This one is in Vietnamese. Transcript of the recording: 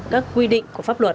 các quy định của pháp luật